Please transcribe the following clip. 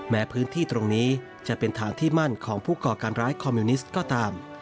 แม้พื้นที่ตรงนี้จะเป็นทางที่มั่นของผู้ก่อการร้ายคอมมิวนิสต์ก็ตาม